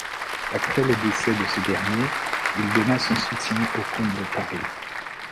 Après le décès de ce dernier, il donna son soutien au comte de Paris.